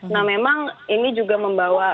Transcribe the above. nah memang ini juga membawa